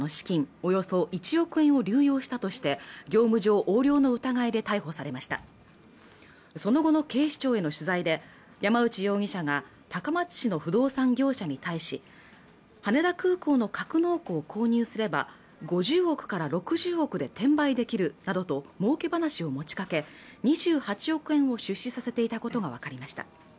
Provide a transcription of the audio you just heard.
およそ１億円を流用したとして業務上横領の疑いで逮捕されましたその後の警視庁への取材で山内容疑者が高松市の不動産業者に対し羽田空港の格納庫を購入すれば５０億から６０億で転売できるなどと儲け話を持ちかけ２８億円を出資させていたことが分かりました